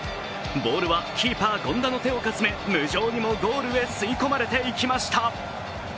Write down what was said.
ボールはキーパー・権田の手をかすめ無情にもゴールへ吸い込まれていきました。